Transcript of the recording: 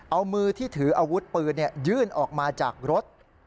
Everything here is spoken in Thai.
เอามือที่ถืออาวุธปืนยื่นออกมาจากรถ